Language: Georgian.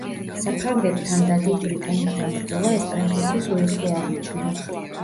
საფრანგეთთან და დიდ ბრიტანეთთან ბრძოლა ესპანეთისთვის უიღბლო აღმოჩნდა.